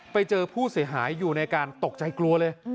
ไปเจอผู้เสียหายอยู่ในการตกใจกลัวเลย